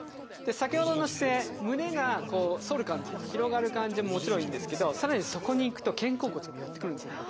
先ほどの姿勢胸が反る感じ広がる感じももちろんいいんですけどさらにそこにいくと肩甲骨も寄ってくるんですね。